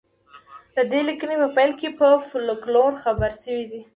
د دې لیکنې په پیل کې په فولکلور خبرې شوې دي